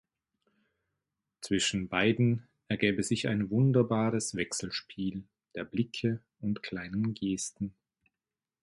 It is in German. Zwischen beiden ergäbe sich ein wunderbares Wechselspiel der Blicke und kleinen Gesten.